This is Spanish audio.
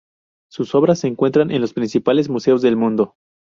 Su obras se encuentran en los principales museos del mundo.